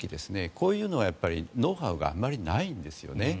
こういうのはノウハウがあまりないんですよね。